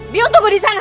biung tunggu di sana